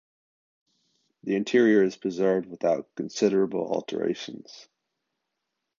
The interior is preserved without considerable alterations.